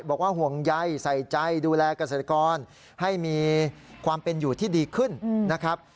บอกว่าห่วงใยใส่ใจดูแลเกษตรกรให้มีความเป็นอยู่ที่ดีขึ้นนะครับ